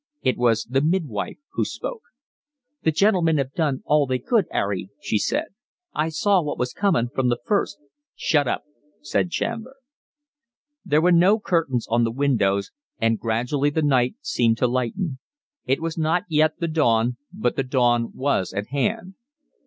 It was the midwife who spoke. "The gentlemen 'ave done all they could, 'Arry," she said. "I saw what was comin' from the first." "Shut up," said Chandler. There were no curtains on the windows, and gradually the night seemed to lighten; it was not yet the dawn, but the dawn was at hand.